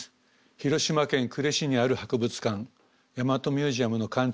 広島県呉市にある博物館大和ミュージアムの館長をしています。